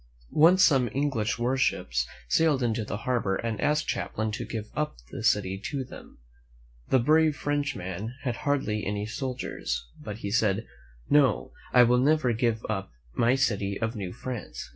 Once some English warships sailed into the harbor and asked Champlain to give up the city to them. The brave Frenchman had hardly any soldiers; but he said, "No; I will never give up my city of New France.